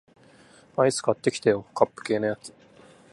アイス買ってきてよ、カップ系のやつ